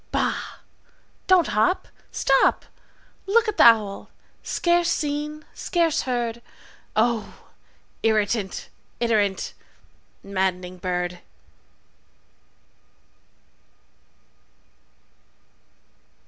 Bah! don't hop! Stop! Look at the owl, scarce seen, scarce heard, O irritant, iterant, maddening bird!"